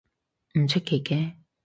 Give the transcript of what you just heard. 唔出奇嘅